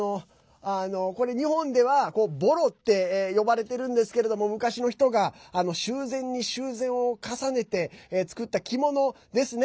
これ日本では、ボロって呼ばれてるんですけれども昔の人が修繕に修繕を重ねて作った着物ですね。